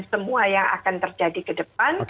semua yang akan terjadi ke depan